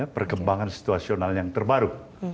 perkembangan situasional yang terbaru